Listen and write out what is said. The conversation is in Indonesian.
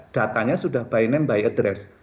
datanya sudah by name by address